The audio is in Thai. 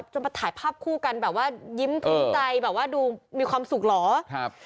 มาถ่ายภาพคู่กันแบบว่ายิ้มขึ้นใจแบบว่าดูมีความสุขเหรอ